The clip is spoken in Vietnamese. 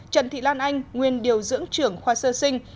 trần thị lan anh nguyên điều dưỡng trưởng khoa sơ sinh